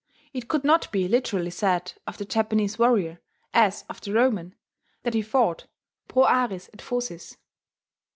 It could not be literally said of the Japanese warrior, as of the Roman, that he fought pro aris et focis.